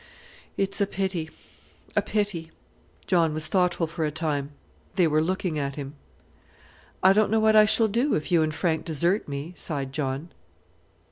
"It's a pity, a pity." John was thoughtful for a time. They were looking at him. "I don't know what I shall do if you and Frank desert me," sighed John.